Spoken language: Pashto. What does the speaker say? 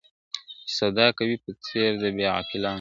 چي سودا کوې په څېر د بې عقلانو `